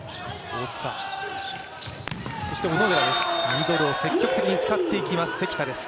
ミドルを積極的に使っていきます、関田です。